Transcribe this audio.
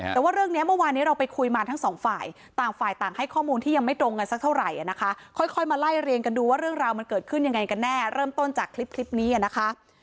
แต่ว่าเรื่องนี้เมื่อวานนี้เราไปคุยมาทั้งสองฝ่ายต่างฝ่ายต่างให้ข้อมูลที่ยังไม่ตรงกันสักเท่าไหร่นะคะค่อยมาไล่เรียงกันดูว่าเรื่องราวมันเกิดขึ้นยังไงกันแน่เริ่มต้นจากคลิปนี้นะคะ